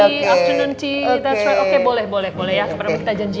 boleh boleh boleh ya